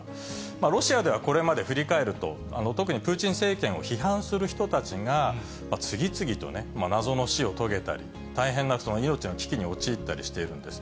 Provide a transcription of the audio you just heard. ロシアではこれまで振り返ると、特にプーチン政権を批判する人たちが、次々とね、謎の死を遂げたり、大変な命の危機に陥ったりしているんです。